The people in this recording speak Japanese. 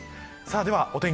ではお天気